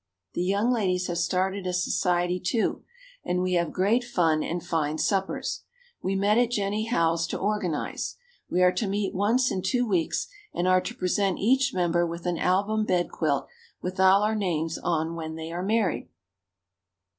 The young ladies have started a society, too, and we have great fun and fine suppers. We met at Jennie Howell's to organize. We are to meet once in two weeks and are to present each member with an album bed quilt with all our names on when they are married.